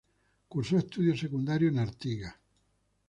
Cursó estudios secundarios en Artigas.